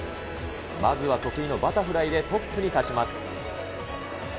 まずは得意のバタフライでトップに立ちます。